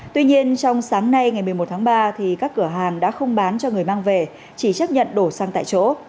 tuy nhiên trong sáng nay ngày một mươi một tháng ba các cửa hàng đã không bán cho người mang về chỉ chấp nhận đổ xăng tại chỗ